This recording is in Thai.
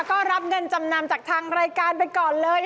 ก็รับเงินจำนำจากทางรายการไปก่อนเลย